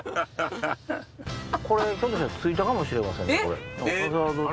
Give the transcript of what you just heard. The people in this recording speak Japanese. これひょっとしたら着いたかもしれません。